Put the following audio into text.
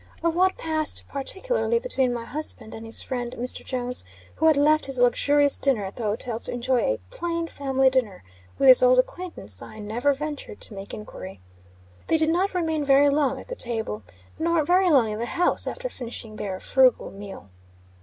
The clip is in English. Of what passed, particularly, between my husband and his friend Mr. Jones, who had left his luxurious dinner at the hotel to enjoy "a plain family dinner" with his old acquaintance, I never ventured to make enquiry. They did not remain very long at the table; nor very long in the house after finishing their frugal meal.